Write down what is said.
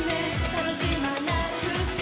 「楽しまなくっちゃ」